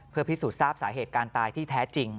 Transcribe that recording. เพื่อพิสูจน์ทราบสาเหตุการตายที่แท้จริง